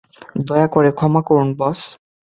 দয়া করে ক্ষমা করুন, বস!